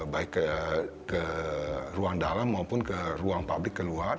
baik ke ruang dalam maupun ke ruang publik keluar